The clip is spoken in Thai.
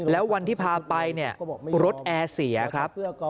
แล้ววันที่พาไปเนี่ยรถแอร์เสียครับ